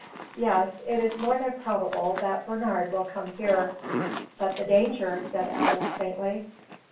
Yes. It is more than probable that Bernard will come here." "But the danger," said Alice, faintly.